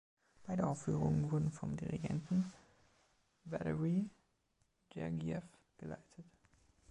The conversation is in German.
Beide Aufführungen wurden vom Dirigenten Valery Gergiev geleitet.